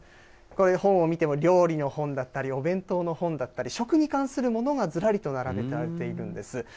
これ、本を見ても、料理の本だったり、お弁当の本だったり、食に関するものがずらりと並べられているんです。